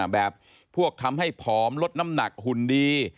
แบบพวกทำให้ผอมลดน้ำหนักหุ่นดี